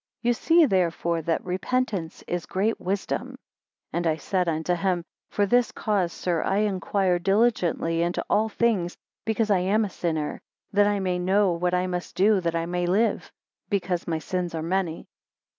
You see therefore that repentance is great wisdom. 16 And I said unto him, For this cause, sir, I inquire diligently into all things, because I am a sinner, that I may know what I must do that I may live; because my sins are many.